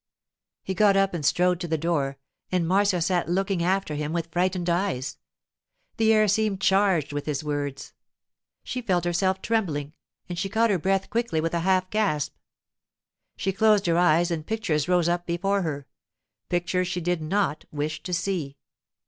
He got up and strode to the door, and Marcia sat looking after him with frightened eyes. The air seemed charged with his words. She felt herself trembling, and she caught her breath quickly with a half gasp. She closed her eyes and pictures rose up before her—pictures she did not wish to see.